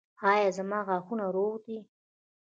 ایا زما غاښونه روغ دي؟